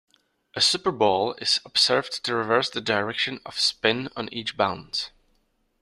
A Super Ball is observed to reverse the direction of spin on each bounce.